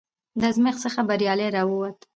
د ازمېښت څخه بریالی راووت،